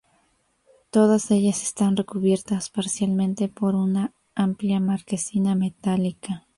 Todas ellas están recubiertas parcialmente por una amplia marquesina metálica.